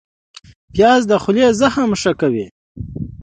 پیاز د خولې زخم ښه کوي